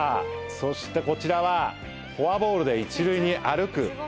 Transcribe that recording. そしてこちらはフォアボールで一塁に歩く